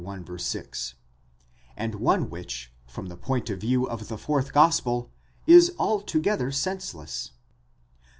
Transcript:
6), and one which from the point of view of the fourth gospel is altogether senseless.